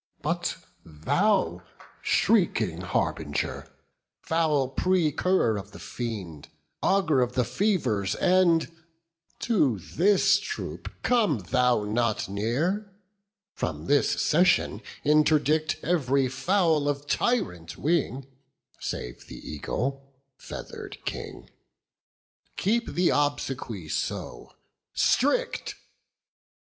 But thou shrieking harbinger, 5 Foul precurrer of the fiend, Augur of the fever's end, To this troop come thou not near. From this session interdict Every fowl of tyrant wing 10 Save the eagle, feather'd king: Keep the obsequy so strict.